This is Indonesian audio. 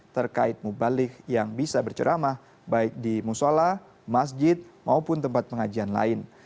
terkait mubalik yang bisa berceramah baik di musola masjid maupun tempat pengajian lain